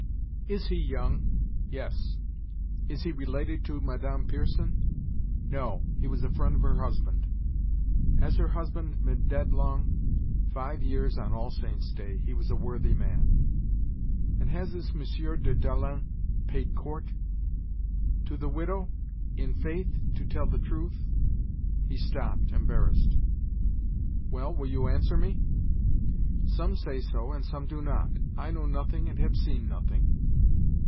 "Is he young?" "Yes." "Is he related to Madame Pierson?" "No, he was a friend of her husband." "Has her husband been dead long?" "Five years on All Saints' day. He was a worthy man." "And has this M. de Dalens paid court?" "To the widow? In faith to tell the truth " he stopped, embarrassed. "Well, will you answer me?" "Some say so and some do not I know nothing and have seen nothing."